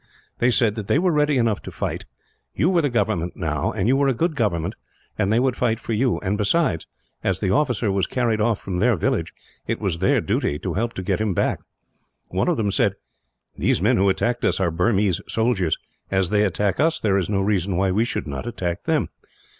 "They said that they were ready enough to fight. You were the government, now; and you were a good government, and they would fight for you and, besides, as the officer was carried off from their village, it was their duty to help to get him back. "One of them said, 'These men who attacked us are Burmese soldiers. As they attack us, there is no reason why we should not attack them.'